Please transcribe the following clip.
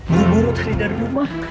buru buru cari dari rumah